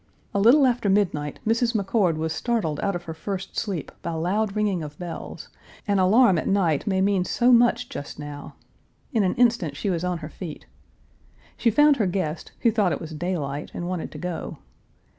A little after midnight Mrs. McCord was startled out of her first sleep by loud ringing of bells; an alarm at night may mean so much just now. In an instant she was on her feet. She found her guest, who thought it was daylight, and wanted to go.